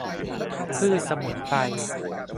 พืชสมุนไพร